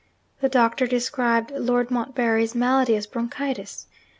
The doctor described Lord Montbarry's malady as bronchitis.